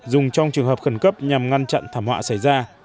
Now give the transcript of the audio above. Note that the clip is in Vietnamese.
dùng trong trường hợp khẩn cấp nhằm ngăn chặn thảm họa xảy ra